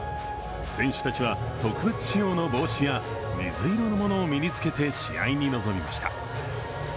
選手たちは特別仕様の帽子や水色のものを身につけて試合に臨みました。